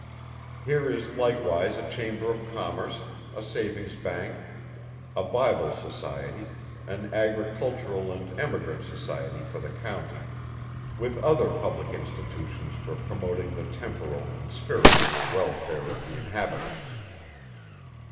Here is likewise a Chamber of Commerce, a Savings' Bank, a Bible Society, an Agricultural and Emigrant Society for the County, with other public Institutions for promoting the temporal and spiritual welfare of the inhabitants.